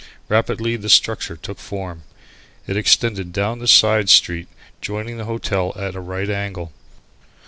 Rapidly the structure took form. It extended down the side street, joining the hotel at a right angle.